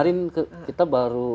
itu kita baru